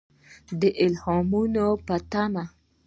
د الهامونو په تمه.